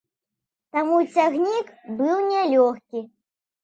Таму цягнік быў нялёгкі.